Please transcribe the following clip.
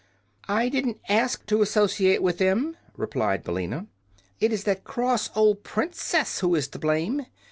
"I didn't ask to associate with them," replied Billina. "It is that cross old Princess who is to blame.